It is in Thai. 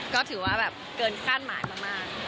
ก็ถือว่าแบบเกินคาดหมายมาก